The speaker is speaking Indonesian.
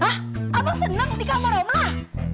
hah abang senang di kamar omlah